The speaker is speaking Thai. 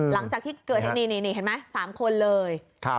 หลังจากที่เกิดเหตุนี่เห็นไหม๓คนเลย